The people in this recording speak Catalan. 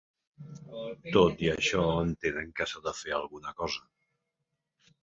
Tot i això, entenen que s’ha de fer alguna cosa.